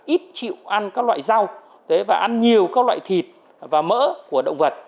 ít chịu ăn các loại rau và ăn nhiều các loại thịt và mỡ của động vật